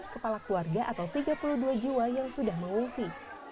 tujuh belas kepala keluarga atau tiga puluh dua jiwa yang sudah mengungsi